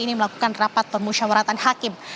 ini melakukan rapat permusyawaratan hakim